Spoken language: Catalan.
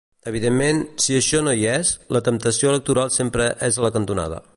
Evidentment, si això no hi és, la temptació electoral sempre és a la cantonada.